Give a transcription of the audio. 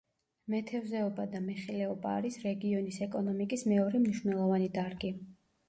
მეთევზეობა და მეხილეობა არის რეგიონის ეკონომიკის მეორე მნიშვნელოვანი დარგი.